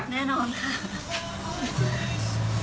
แน่นอนค่ะ